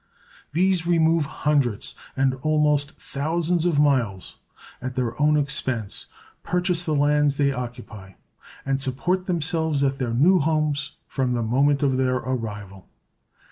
These remove hundreds and almost thousands of miles at their own expense, purchase the lands they occupy, and support themselves at their new homes from the moment of their arrival.